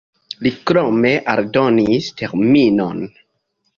Li krome aldonis terminon.